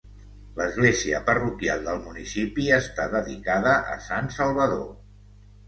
L'església parroquial del municipi està dedicada a Sant Salvador.